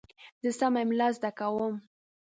زه سمه املا زده کوم.